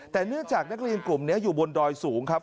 แต่เนื่องจากนักเรียนกลุ่มนี้อยู่บนดอยสูงครับ